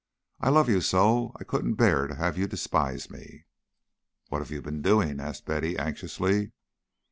I love you so I couldn't bear to have you despise me." "What have you been doing?" asked Betty, anxiously.